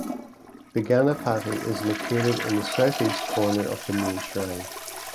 The Ganapati is located in the south east corner of the main shrine.